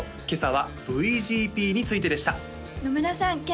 今朝はＶＧＰについてでした野村さん